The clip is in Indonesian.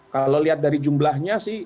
kalau lihat dari jumlahnya sih